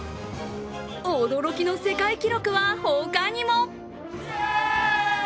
驚きの世界記録は他にも。